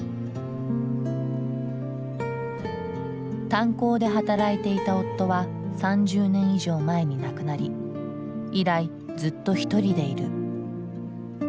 炭鉱で働いていた夫は３０年以上前に亡くなり以来ずっと一人でいる。